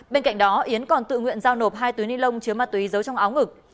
bên cạnh đó yến còn tự nguyện giao nộp hai túi nilon chứa mát túy giấu trong áo ngực